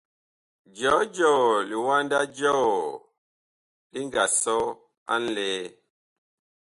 Jɔjɔɔ liwanda jɔɔ li nga sɔ a ŋlɛɛ ?